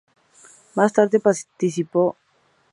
Más tarde participó en las tomas de Saint-Denis y Saint-Cloud.